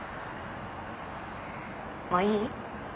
もういい？